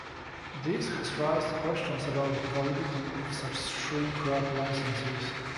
This has raised questions about the validity of such shrink wrap licenses.